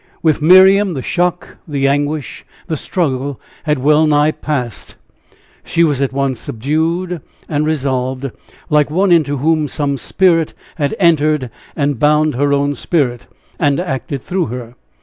With Miriam, the shock, the anguish, the struggle had well nigh passed; she was at once subdued and resolved, like one into whom some spirit had entered and bound her own spirit, and acted through her.